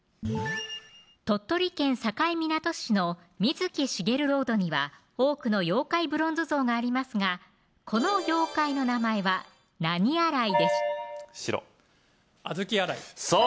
鳥取県境港市の水木しげるロードには多くの妖怪ブロンズ像がありますがこの妖怪の名前は「何洗い」で白小豆洗いそう